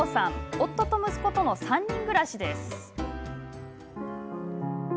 夫と息子との３人暮らしです。